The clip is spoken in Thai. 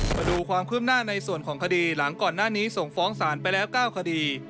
มาดูความคืบหน้าในส่วนของคดีหลังก่อนหน้านี้ส่งฟ้องศาลไปแล้ว๙คดี